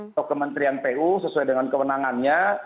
atau kementerian pu sesuai dengan kewenangannya